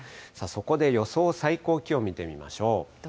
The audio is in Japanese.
そこで予想最高気温見てみましょう。